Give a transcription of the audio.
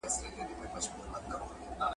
په رباب کي به غزل وي په شهباز کي به یې پل وي ..